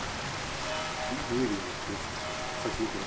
見えるような気がする最初のころ。